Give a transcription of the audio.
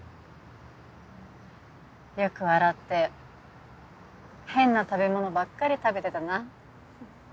よく笑って変な食べ物ばっかり食べてたな。